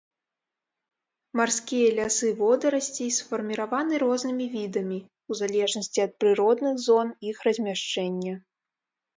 Марскія лясы водарасцей сфарміраваны рознымі відамі, у залежнасці ад прыродных зон іх размяшчэння.